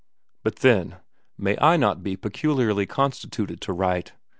"But then, may not I be peculiarly constituted to write?"